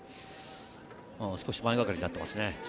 少し前がかりになってきますね。